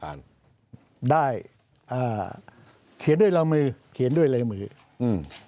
อ่านได้อ่าเขียนด้วยลายมือเขียนด้วยลายมืออืม